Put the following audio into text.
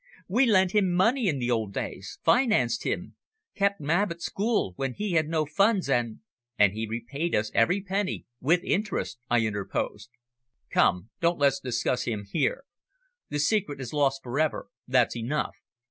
We lent him money in the old days, financed him, kept Mab at school when he had no funds, and " "And he repaid us every penny with interest," I interposed. "Come; don't let's discuss him here. The secret is lost for ever, that's enough."